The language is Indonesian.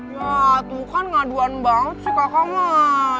ya tuh kan ngaduan banget sih kakak mah